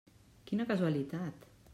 Quina casualitat!